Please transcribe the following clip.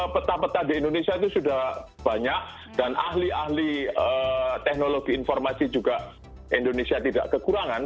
peta peta di indonesia itu sudah banyak dan ahli ahli teknologi informasi juga indonesia tidak kekurangan